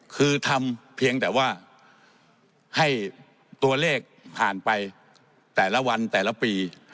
คือทำเพียงแต่ว่าให้ตัวเลขผ่านไปแต่ละวันแต่ละปี